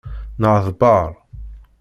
Nɛedbaṛ.